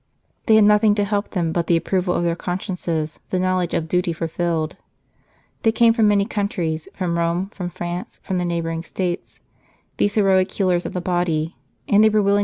They had nothing to help them but the approval of their consciences, the knowledge of duty fulfilled. They came from many countries, from Rome, from France, from the neighbouring States, these heroic healers of the body ; and they were willing